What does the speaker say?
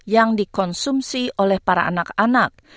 yang dikonsumsi oleh para anak anak